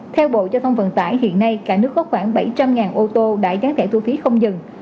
theo bộ giao thông vận tải hiện nay cả nước có khoảng bảy trăm linh ô tô đại gián thẻ thu phí không dừng